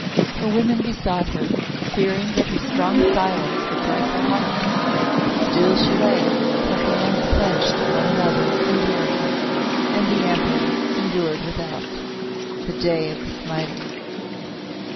Her women besought her, fearing that her strong silence would break her heart; but still she lay, her hands clenched in one another, enduring; and the Emperor endured without. The Day of the Smiting!